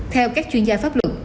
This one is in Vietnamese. theo các chuyên gia pháp luật